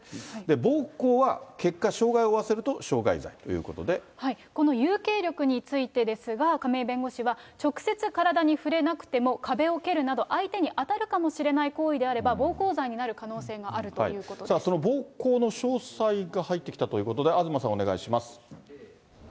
暴行は結果傷害を負わせると傷害この有形力についてですが、亀井弁護士は、直接体に触れなくても、壁を蹴るなど、相手に当たるかもしれない行為であれば、暴行罪になる可能性があるというこその暴行の詳細が入ってきたということで、東さん、お願いします。